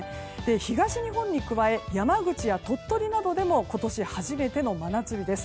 東日本に加え山口や鳥取などでも今年初めての真夏日です。